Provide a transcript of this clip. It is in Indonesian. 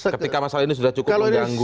ketika masalah ini sudah cukup mengganggu